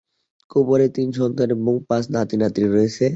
কুপারের তিন সন্তান এবং পাঁচ নাতি-নাতনি রয়েছে।